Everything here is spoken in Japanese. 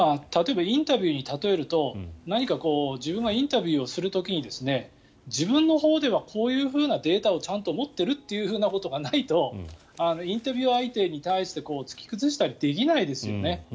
例えばインタビューに例えると自分がインタビューをする時に自分のほうではこういうデータをちゃんと持っているということがないとインタビュアー相手に突き崩すことはできないですよね。